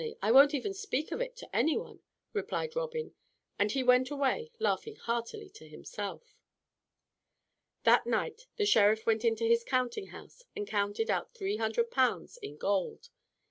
I won't even speak of it to any one," replied Robin; and he went away, laughing heartily to himself. That night the Sheriff went into his counting house and counted out three hundred pounds in gold.